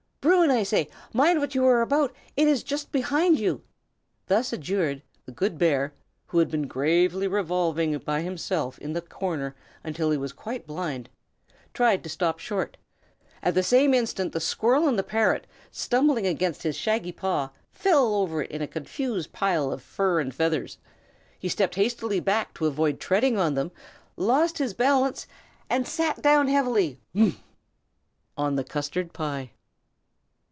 Bruin, I say! mind what you are about. It is just behind you." Thus adjured, the good bear, who had been gravely revolving by himself in the corner until he was quite blind, tried to stop short; at the same instant the squirrel and the parrot, stumbling against his shaggy paw, fell over it in a confused heap of feathers and fur. He stepped hastily back to avoid treading on them, lost his balance, and sat down heavily on the custard pie!